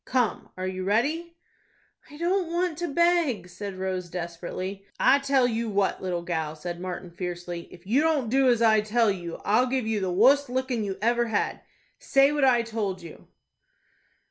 Come, are you ready?" "I don't want to beg," said Rose, desperately. "I tell you what, little gal," said Martin, fiercely; "if you don't do as I tell you, I'll give you the wust lickin' you ever had. Say what I told you."